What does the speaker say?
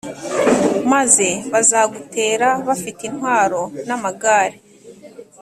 Maze bazagutera bafite intwaro n’amagare